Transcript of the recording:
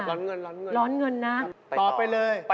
ร้อนเงินร้อนเงินร้อนเงินนะ